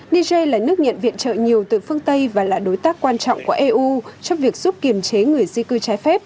niger là nước nhận viện trợ nhiều từ phương tây và là đối tác quan trọng của eu trong việc giúp kiềm chế người di cư trái phép